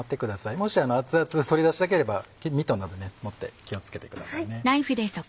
もし熱々で取り出したければミトンなどで持って気を付けてくださいね。